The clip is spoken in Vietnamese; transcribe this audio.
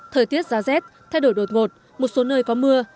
thời tiết giá rét thay đổi đột ngột một số nơi có mưa